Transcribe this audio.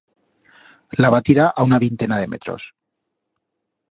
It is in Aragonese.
La va tirar a una vintena de metros.